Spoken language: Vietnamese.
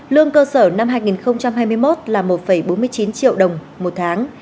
lương cơ sở năm hai nghìn hai mươi một là một bốn mươi chín triệu đồng một tháng